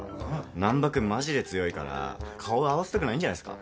難破君マジで強いから顔合わせたくないんじゃないっすか？